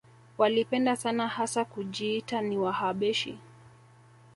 Walipenda sana hasa kujiita ni Wahabeshi